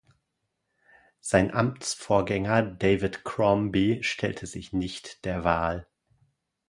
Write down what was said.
Sein Amtsvorgänger David Crombie stellte sich nicht der Wahl.